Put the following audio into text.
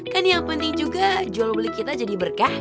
kan yang penting juga jual beli kita jadi berkah